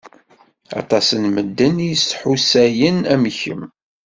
Aṭas n medden i yestḥussayen am kemm.